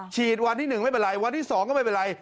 ฉีดวันที่๑ไม่เป็นไรวันที่๒ก็ไม่เป็นไร